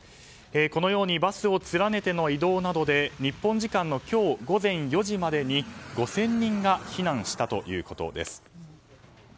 このようにバスを連ねての移動などで日本時間の今日午前４時までに５０００人が避難したということです。